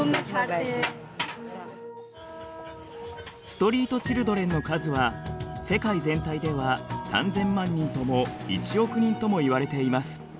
ストリートチルドレンの数は世界全体では３，０００万人とも１億人ともいわれています。